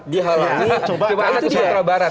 coba karena ke sumatera barat